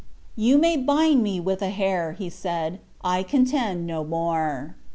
"You may bind me with a hair," said he; "I contend no more."